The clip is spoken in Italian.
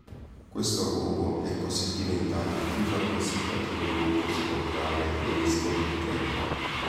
Questo luogo è così diventato il più rappresentativo luogo sepolcrale dei vescovi di Trento.